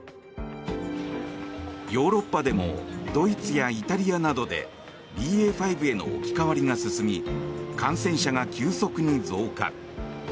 ヨーロッパでもドイツやイタリアなどでＢＡ．５への置き換わりが進み感染者が急速に増加。